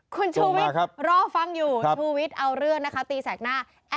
คุณชูวิทย์รอฟังอยู่ชูวิทย์เอาเรื่องนะคะตีแสกหน้า